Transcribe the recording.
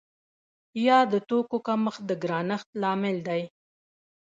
یا د توکو کمښت د ګرانښت لامل دی؟